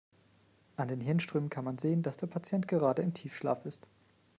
An den Hirnströmen kann man sehen, dass der Patient gerade im Tiefschlaf ist.